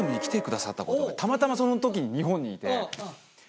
たまたまその時に日本にいて。